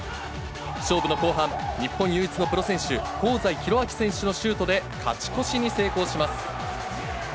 勝負の後半、日本唯一のプロ選手、香西宏昭選手のシュートで、勝ち越しに成功します。